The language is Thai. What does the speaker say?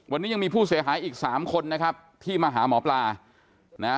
วันนี้ยังมีผู้เสียหายอีกสามคนนะครับที่มาหาหมอปลานะฮะ